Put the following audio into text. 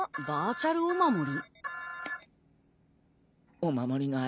バーチャルお守り？